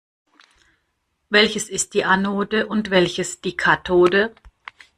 Welches ist die Anode und welches die Kathode?